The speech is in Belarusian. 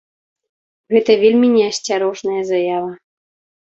Гэта вельмі не асцярожная заява.